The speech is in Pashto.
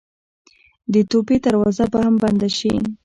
د توبې دروازه به هم بنده شي.